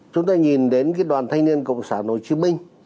chúng ta nhìn đến đoàn thanh niên cộng sản hồ chí minh